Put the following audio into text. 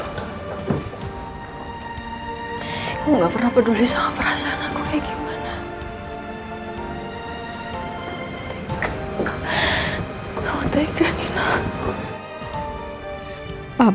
kamu gak pernah peduli sama perasaan aku kayak gimana